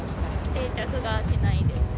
定着がしないです。